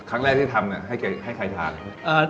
ครั้งแรกที่ทำให้ใครทาน